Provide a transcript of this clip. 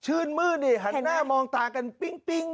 ชื่นมืดหันหน้ามองตากันปิ๊ง